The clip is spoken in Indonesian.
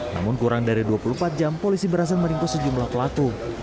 namun kurang dari dua puluh empat jam polisi berhasil meringkus sejumlah pelaku